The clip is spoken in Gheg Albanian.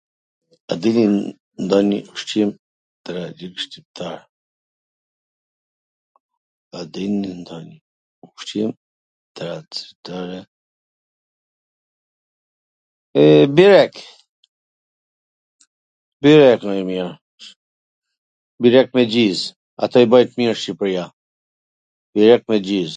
a din ndonjw ushqim trad... cional shqiptar? Eee, byrek, byrek, ma i mir, byrek me gjiz, ato i bwjn t mir Shqipria, byrek me gjiz.